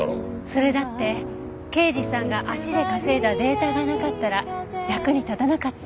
それだって刑事さんが足で稼いだデータがなかったら役に立たなかった。